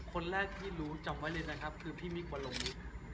คนแรกที่รู้จำไว้เลยนะครับคือพี่มิควรงฤทธิ์